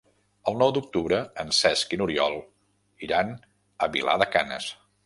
El nou d'octubre en Cesc i n'Oriol iran a Vilar de Canes.